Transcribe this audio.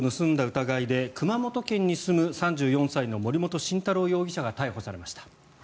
疑いで熊本県に住む３４歳の森本晋太郎容疑者が逮捕されました。